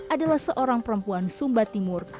adalah seorang perempuan sumba timur